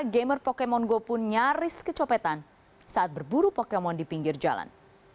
gamer pokemon go pun nyaris kecopetan saat berburu pokemon di pinggir jalan